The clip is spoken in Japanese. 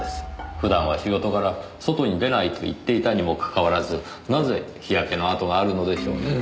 普段は仕事柄外に出ないと言っていたにもかかわらずなぜ日焼けのあとがあるのでしょうねぇ。